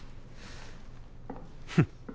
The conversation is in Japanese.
フッ。